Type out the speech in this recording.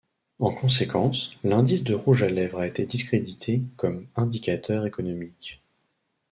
En conséquence, l'indice de rouge à lèvres a été discrédité comme indicateur économique.